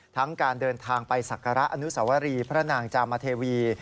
การเดินทางไปศักระอนุสวรีพระนางจามเทวี